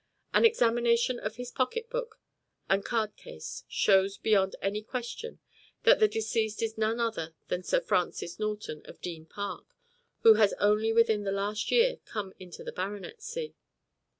An examination of his pocketbook and cardcase shows beyond any question that the deceased is none other than Sir Francis Norton, of Deane Park, who has only within the last year come into the baronetcy.